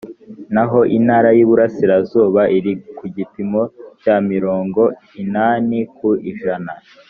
naho intara y‘iburasirazuba iri ku gipimo cya mirongo inani ku ijana